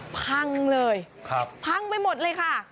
พังเลยพังไปหมดเลยค่ะ